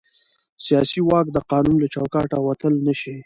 سیاسي واک د قانون له چوکاټه وتل نه شي